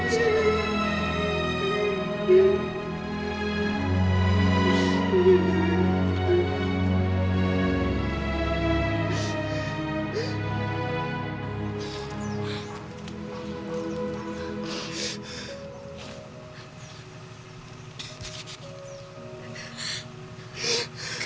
sebelum lo meninggal